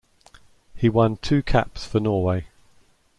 He won two caps for Norway.